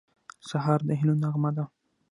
سهار د هیلو نغمه ده.